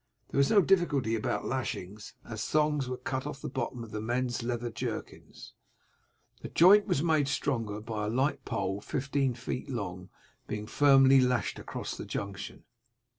There was no difficulty about lashings, as thongs were cut off the bottom of the men's leather jerkins. The joint was made stronger by a light pole fifteen feet long being firmly lashed across the junction.